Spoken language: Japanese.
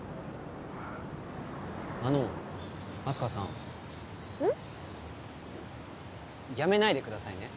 あのあす花さんうん？やめないでくださいね